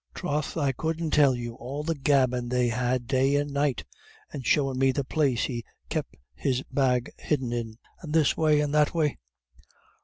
Troth, I couldn't tell you all the gabbin' they had day and night and showin' me the place he kep' his bag hidden in, and this way and that way.